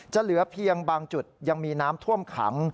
เหลือเพียงบางจุดยังมีน้ำท่วมขัง